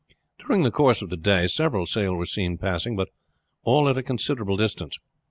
During the course of the day several sail were seen passing, but all at a considerable distance.